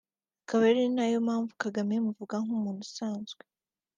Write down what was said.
ikaba ari nayo mpamvu Kagame muvuga nk’umuntu usanzwe